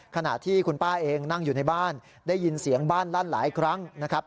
ขณะที่คุณป้าเองนั่งอยู่ในบ้านได้ยินเสียงบ้านลั่นหลายครั้งนะครับ